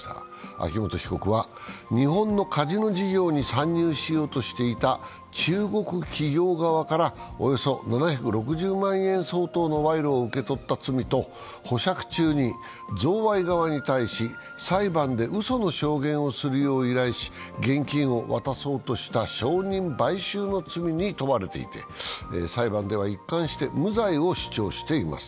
秋元被告は、日本のカジノ事業に参入しようとしていた中国企業側からおよそ７６０万円相当の賄賂を受け取った罪と保釈中に贈賄側に対し、裁判でうその証言をするよう依頼し現金を渡そうとした証人買収の罪に問われていて、裁判では、一貫して無罪を主張しています。